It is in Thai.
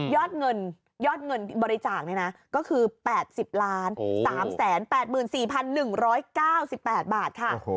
ยอดเงินบริจาคก็คือ๘๐๓๘๔๑๙๘บาทค่ะ